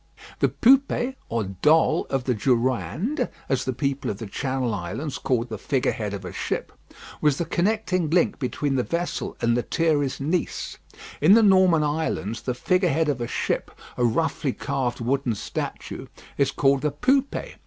The poupée or "doll" of the Durande, as the people of the Channel Islands call the figure head of a ship, was the connecting link between the vessel and Lethierry's niece. In the Norman Islands the figure head of a ship, a roughly carved wooden statue, is called the Poupée.